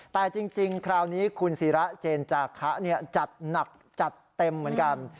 แต่จริงคราวนี้คุณศิระเจนจาคะจัดหนักจัดเต็มเหมือนกัน